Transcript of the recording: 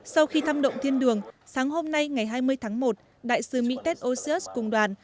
sau khi thăm động thiên đường sáng hôm nay ngày hai mươi tháng một đại sứ mỹ tết oxyus cùng đoàn